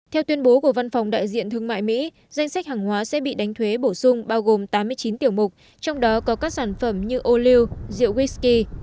theo tuyên bố của văn phòng đại diện thương mại mỹ danh sách hàng hóa sẽ bị đánh thuế bổ sung bao gồm tám mươi chín tiểu mục trong đó có các sản phẩm như ô liu rượu wisky